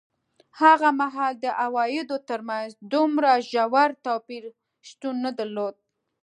هغه مهال د عوایدو ترمنځ دومره ژور توپیر شتون نه درلود.